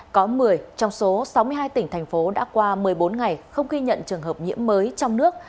có một mươi trong số sáu mươi hai tỉnh thành phố đã qua một mươi bốn ngày không ghi nhận trường hợp nhiễm mới trong nước